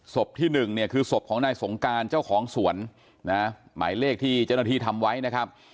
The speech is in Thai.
สบที่๑คือสบของนายสงการเจ้าของสวนหมายเลขที่เจ้าหน้าที่ทำไว้นะครับ